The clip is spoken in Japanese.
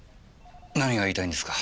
何が言いたいんですか？